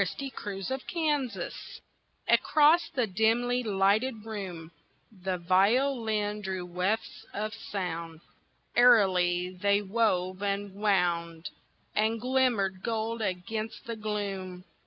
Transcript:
A Minuet of Mozart's Across the dimly lighted room The violin drew wefts of sound, Airily they wove and wound And glimmered gold against the gloom.